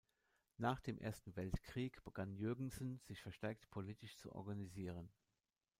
Nach dem Ersten Weltkrieg begann Jürgensen sich verstärkt politisch zu organisieren.